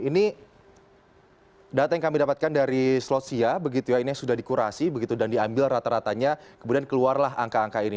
ini data yang kami dapatkan dari slotia ini sudah dikurasi dan diambil rata ratanya kemudian keluarlah angka angka ini